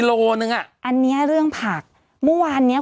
ศูนย์อุตุนิยมวิทยาภาคใต้ฝั่งตะวันอ่อค่ะ